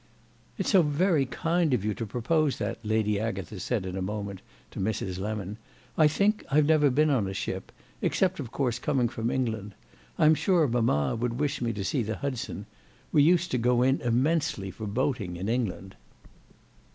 "It's so very kind of you to propose that," Lady Agatha said in a moment to Mrs. Lemon. "I think I've never been in a ship—except of course coming from England. I'm sure mamma would wish me to see the Hudson. We used to go in immensely for boating in England."